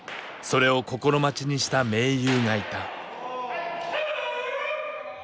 それを心待ちにした盟友がいた。